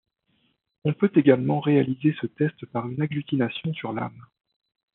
On peut également réaliser ce test par une agglutination sur lame.